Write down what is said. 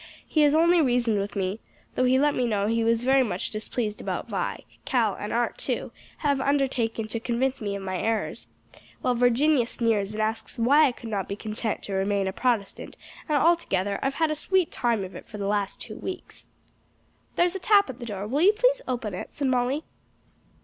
He has only reasoned with me, though he let me know he was very much displeased about Vi. Cal and Art, too, have undertaken to convince me of my errors, while Virginia sneers and asks why I could not be content to remain a Protestant; and altogether I've had a sweet time of it for the last two weeks." "There's a tap at the door; will you please open it?" said Molly.